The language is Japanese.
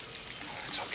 大丈夫か？